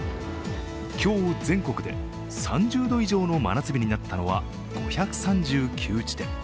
今日全国で３０度以上の真夏日になったのは５３９地点。